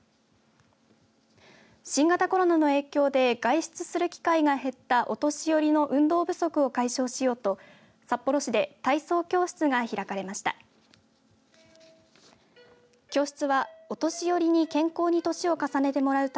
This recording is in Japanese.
新型コロナの影響で外出する機会が減ったお年寄りの運動不足を解消しようと札幌市で体操教室が開かれました。